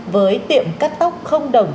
với tiệm cắt tóc không đồng